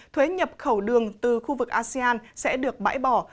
thuế nhập khẩu đường từ khu vực asean sẽ được bãi bỏ